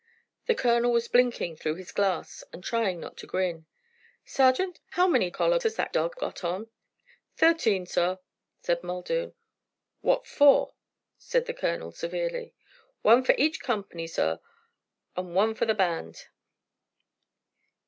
The colonel was blinking through his glass and trying not to grin. "Sergeant, how many collars has that dog got on?" "Thirteen, sor," said Muldoon. "What for?" said the colonel, severely. "Wan for each company, sor, an' wan for the band."